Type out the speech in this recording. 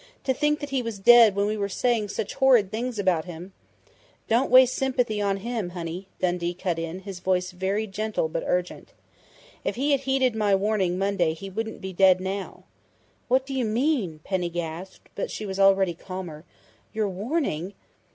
"To think that he was dead when we were saying such horrid things about him " "Don't waste sympathy on him, honey!" Dundee cut in, his voice very gentle but urgent. "If he had heeded my warning Monday he wouldn't be dead now." "What do you mean?" Penny gasped, but she was already calmer. "Your warning